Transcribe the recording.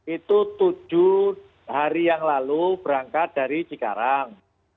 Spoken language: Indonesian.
itu tujuh hari yang lalu berangkat dari cikarang